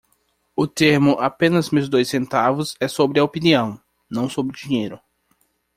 O termo "apenas meus dois centavos" é sobre a opinião? não sobre dinheiro.